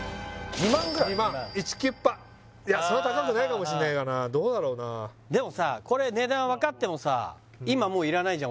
２００００イチキュッパいやそんな高くないかもしれないかなどうだろうなでもさこれ値段分かってもさ今もういらないじゃん